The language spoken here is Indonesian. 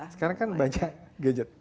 sekarang kan banyak gadget